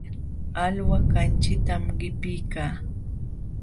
Alwa kamchitam qipiykaa.